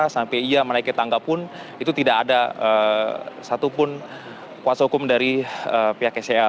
sampai ia menaiki tangga pun itu tidak ada satupun kuasa hukum dari pihak sel